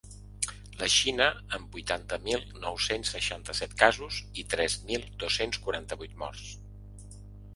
La Xina, amb vuitanta mil nou-cents seixanta-set casos i tres mil dos-cents quaranta-vuit morts.